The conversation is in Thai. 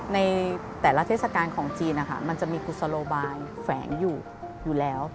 ในแต่ละเทศกาลของจีนมันจะมีกุศลบายแฝงอยู่แล้ว